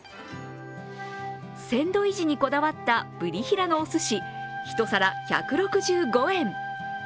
鮮度維持にこだわったブリヒラのおすし１皿１６５円。